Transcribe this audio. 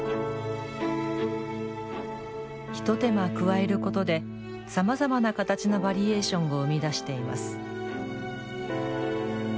一手間加えることでさまざまな形のバリエーションを生み出しています。